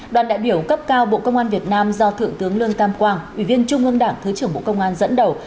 đoàn đại biểu cấp cao bộ công an việt nam do thượng tướng lương tam quang ủy viên trung ương đảng thứ trưởng bộ công an dẫn đầu